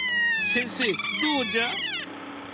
先生どうじゃ？